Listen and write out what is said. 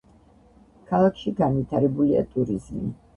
ქალაქში განვითარებულია ტურიზმი.